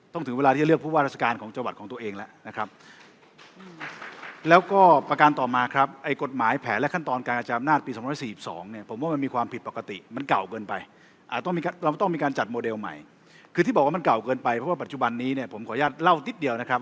ต้องถึงเวลาที่จะเลือกผู้ว่ารัฐการณ์ของจังหวัดของตัวเองแล้วนะครับ